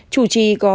chủ trì có